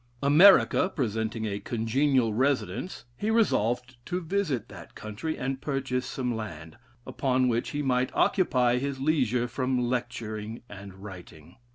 America presenting a congenial residence, he resolved to visit that country and purchase some land, upon which he might occupy his leisure from lecturing and writing.